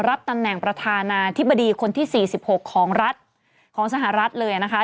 รับตำแหน่งประธานาธิบดีคนที่๔๖ของรัฐของสหรัฐเลยนะคะ